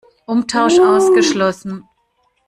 Umtausch ausgeschlossen!